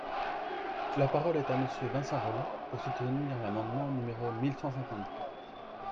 La parole est à Monsieur Vincent Rolland, pour soutenir l’amendement numéro mille cent cinquante-quatre.